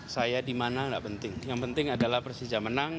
saya di mana tidak penting yang penting adalah persija menang